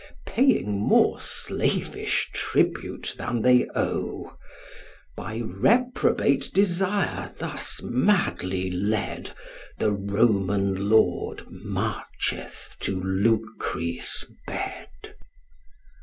Paying more slavish tribute than they owe. By reprobate desire thus madly led, The Roman lord marcheth to Lucrece' bed.